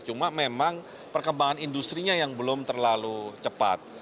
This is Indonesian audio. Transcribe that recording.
cuma memang perkembangan industri nya yang belum terlalu cepat